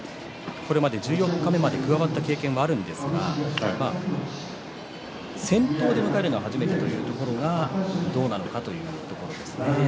これまで十四日目まで加わったことがありますが先頭で迎えるのは初めてということがどうなのかというところです。